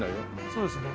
そうですね。